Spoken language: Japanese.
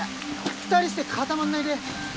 ２人して固まんないで。